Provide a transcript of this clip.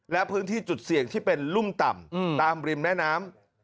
และพื้นที่จุดเสี่ยงที่เป็นรุ่มต่ำตามริมแม่น้ำ